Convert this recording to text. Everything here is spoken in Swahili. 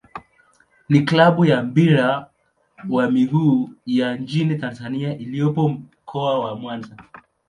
ni klabu ya mpira wa miguu ya nchini Tanzania iliyopo Mkoa wa Mwanza.